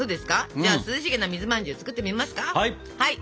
じゃあ涼しげな水まんじゅう作ってみますか？